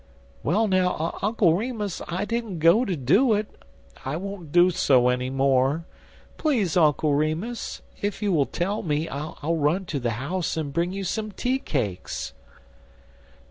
"Well, now, Uncle Remus, I didn't go to do it. I won't do so any more. Please, Uncle Remus, if you will tell me, I'll run to the house and bring you some tea cakes."